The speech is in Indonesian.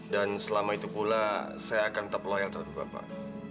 dan selama itu pula saya akan tetap loyal terhadap bapak